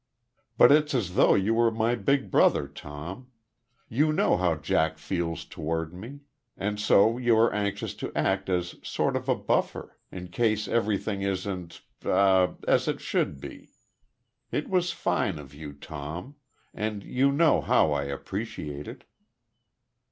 But it's as though you were my big brother, Tom.... You know how Jack feels toward me; and so you are anxious to act as sort of a buffer, in case everything isn't eh as it should be.... It was fine of you, Tom; and you know how I appreciate it!